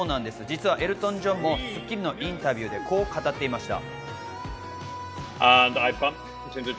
実はエルトン・ジョンも『スッキリ』のインタビューでこう語っていました。